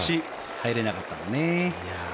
入れなかったのよね。